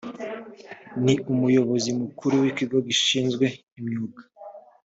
ni umuyobozi mukuru w ikigo gishinzwe imyuga